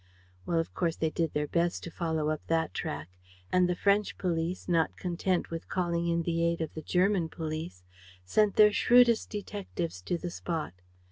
..." "Well, of course they did their best to follow up that track; and the French police, not content with calling in the aid of the German police, sent their shrewdest detectives to the spot.